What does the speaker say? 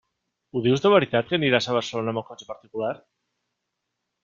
Ho dius de veritat que aniràs a Barcelona amb el cotxe particular?